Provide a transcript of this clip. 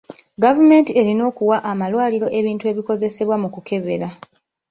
Gavumenti erina okuwa amalwaliro ebintu ebikozesebwa mu kukebera.